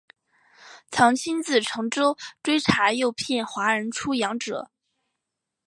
曾亲自乘舟追查诱骗华人出洋者。